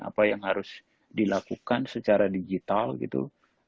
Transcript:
apa yang harus dilakukan secara digital gitu